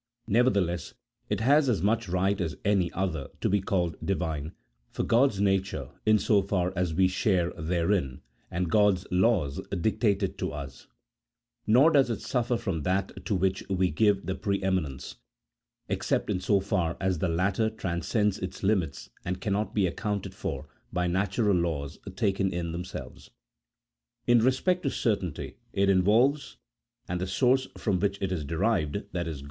Neverthe 1 See Notes, p. 269, Note 1. 14 A THEOLOGMCO POLITICAL TREATISE. [CHAP. 1, less it has as much right as any other to be called Divine, for God's nature, in so far as we share therein, and God's laws, dictate it to us ; nor does it suffer from that to which we give the pre eminence, except in so far as the latter trans cends its limits and cannot be accounted for by natural laws taken in themselves. In respect to the certainty it involves, and the source from which it is derived, i.e.